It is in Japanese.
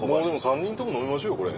３人とも飲みましょうよこれ。